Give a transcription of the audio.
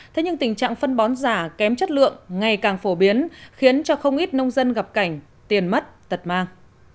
thế nhưng tình trạng phân bón giả kém chất lượng ngày càng phổ biến khiến cho không ít nông dân gặp cảnh tiền mất tật mang